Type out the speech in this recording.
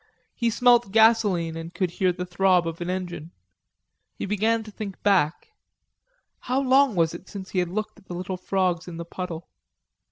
He smelt gasoline and could hear the throb of an engine. He began to think back; how long was it since he had looked at the little frogs in the puddle?